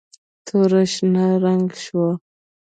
توره شین رنګ شوه.